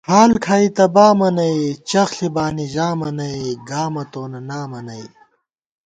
حال کھائی تہ بامہ نئ، چخݪی بانی ژامہ نئ، گامہ تونہ نامہ نئ